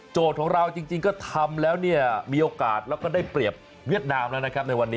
ของเราจริงก็ทำแล้วเนี่ยมีโอกาสแล้วก็ได้เปรียบเวียดนามแล้วนะครับในวันนี้